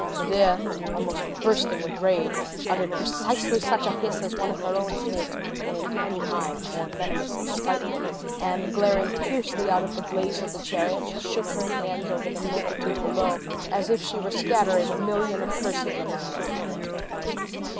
Medea, almost bursting with rage, uttered precisely such a hiss as one of her own snakes, only ten times more venomous and spiteful; and glaring fiercely out of the blaze of the chariot, she shook her hands over the multitude below, as if she were scattering a million of curses among them.